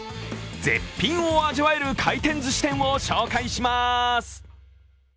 絶品を味わえる回転ずし店を紹介します。